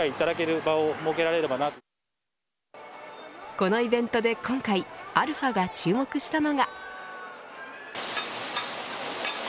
このイベントで今回αが注目したのが。